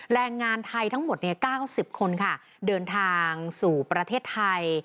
แรงงานไทยทั้งหมด๙๐คนค่ะเดินทางสู่ประเทศไทย